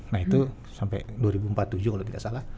nah itu sampai dua ribu empat puluh tujuh kalau tidak salah